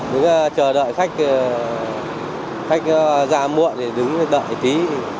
đứng chờ đợi khách ra muộn thì đứng đợi tí